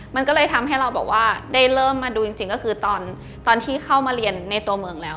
มันก็เลยทำให้เราแบบว่าได้เริ่มมาดูจริงก็คือตอนที่เข้ามาเรียนในตัวเมืองแล้ว